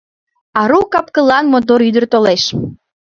Ару кап-кылан мотор ӱдыр толеш.